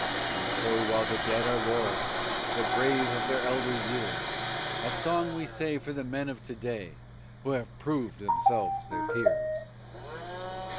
And so, while the dead are laurelled, the brave of the elder years, A song, we say, for the men of to day who have proved themselves their peers.